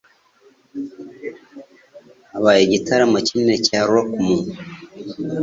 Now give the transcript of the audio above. Habaye igitaramo kinini cya rock mu .